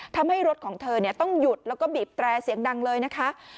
ทำให้รถของเธอต้องหยุดแล้วก็บีบแตรเสียงดังเลยนะคะ